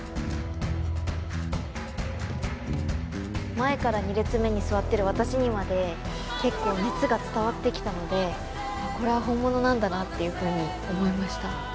前から２列目に座ってる私にまで結構熱が伝わってきたのでこれは本物なんだなっていうふうに思いました。